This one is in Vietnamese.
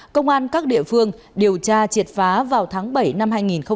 công an các địa phương điều tra triệt phá vào tháng bảy năm hai nghìn hai mươi ba